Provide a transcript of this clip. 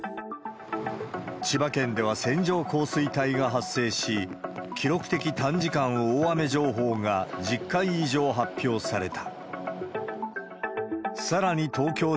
千葉県では線状降水帯が発生し、記録的短時間大雨情報が、１０回以上発表された。